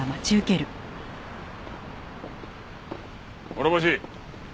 諸星。